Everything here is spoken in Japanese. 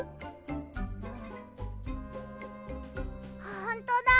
ほんとだ！